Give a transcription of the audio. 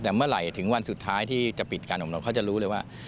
แต่เมื่อไหร่ถึงวันสุดท้ายที่จะปิดการอำนวดเขาจะรู้เลยว่า